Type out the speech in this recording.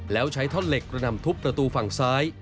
แล้วใช้ท่อนเหล็กกระหน่ำทุบประตูฝั่งซ้าย